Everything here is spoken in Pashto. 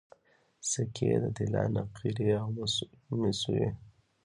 سکې د طلا نقرې او مسو وې